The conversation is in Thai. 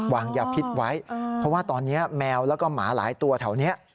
วางยาพิษไว้เพราะว่าตอนนี้แมวแล้วก็หมาหลายตัวแถวนี้